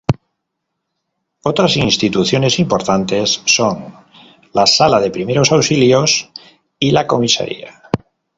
Otras instituciones importantes son la Sala de primeros auxilios y la Comisaría.